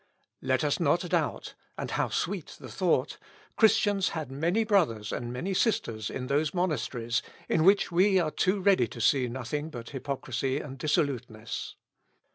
Let us not doubt, (and how sweet the thought!) Christians had many brothers and many sisters in those monasteries, in which we are too ready to see nothing but hypocrisy and dissoluteness.